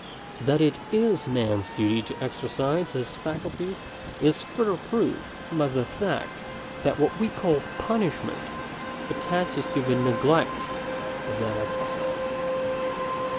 That it is man's duty to exercise his faculties is further proved by the fact, that what we call punishment attaches to the neglect of that exercise.